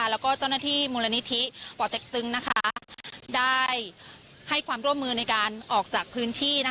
แล้วก็เจ้าหน้าที่มูลนิธิป่อเต็กตึงได้ให้ความร่วมมือในการออกจากพื้นที่